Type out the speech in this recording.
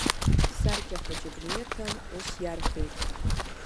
Саркьа хәыҷык нирҭан, ус иарҳәеит…